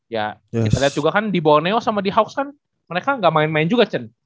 ya kita lihat juga kan di borneo sama di hawks kan mereka gak main main juga cen